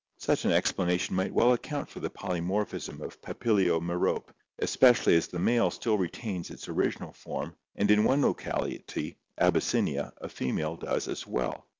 Such an explanation might well account for the polymorphism of Papilio tnerope, especially as the male still retains its original form and in one locality (Abyssinia) a female does as well.